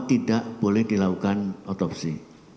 tidak boleh dilakukan otopsi